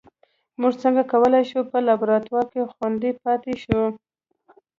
موږ څنګه کولای شو په لابراتوار کې خوندي پاتې شو